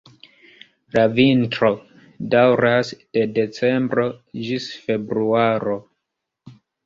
La vintro daŭras de decembro ĝis februaro.